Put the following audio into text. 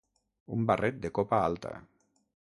Un barret de copa alta.